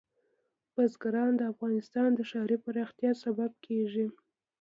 بزګان د افغانستان د ښاري پراختیا سبب کېږي.